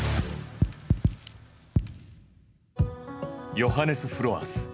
ヨハネス・フロアス。